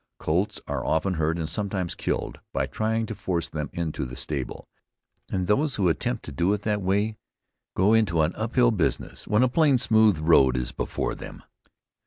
Colts are often hurt, and sometimes killed, by trying to force them into the stable; and those who attempt to do it in that way, go into an up hill business, when a plain smooth road is before them.